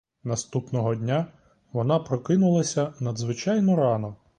Наступного дня вона прокинулася надзвичайно рано.